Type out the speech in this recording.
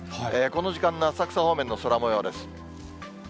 この時間の浅草方面の空もようです。